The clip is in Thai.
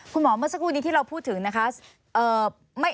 เมื่อสักครู่นี้ที่เราพูดถึงนะคะ